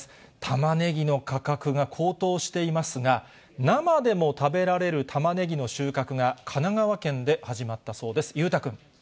たまねぎの価格が高騰していますが、生でも食べられるたまねぎの収穫が神奈川県で始まったそうです。